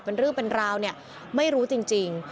เป็นเรื่องเป็นราวเนี่ยไม่รู้จริง